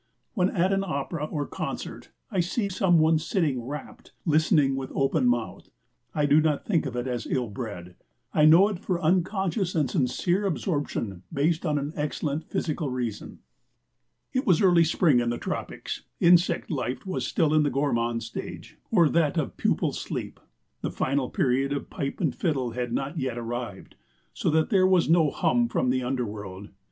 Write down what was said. When at an opera or concert I see some one sitting rapt, listening with open mouth, I do not think of it as ill bred. I know it for unconscious and sincere absorption based on an excellent physical reason. It was early spring in the tropics; insect life was still in the gourmand stage, or that of pupal sleep. The final period of pipe and fiddle had not yet arrived, so that there was no hum from the underworld.